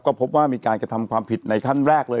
ก็พบว่ามีการกระทำความผิดในขั้นแรกเลย